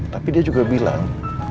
tapi dia juga bilang